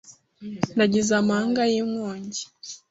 Nagize amanga y'inkongi